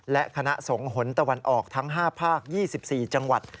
และคณะสงฆ์หนตะวันออกทั้ง๕ภาค๒๔จังหวัด